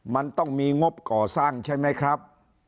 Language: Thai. มันต้องมีงบก่อสร้างใช่ไหมครับ